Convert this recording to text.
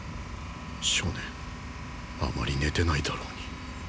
少年あまり寝てないだろうに